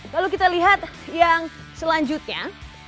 lalu kita lihat yang selanjutnya